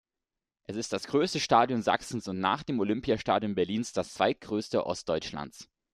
Es ist das größte Stadion Sachsens und, nach dem Olympiastadion Berlin, das zweitgrößte Ostdeutschlands.